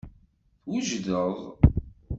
Twejdeḍ.